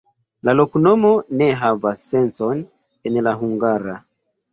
La loknomo ne havas sencon en la hungara.